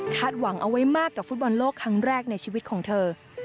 หวังเอาไว้มากกับฟุตบอลโลกครั้งแรกในชีวิตของเธอ